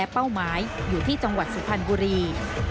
เป้าหมายอยู่ที่จังหวัดสุพรรณบุรี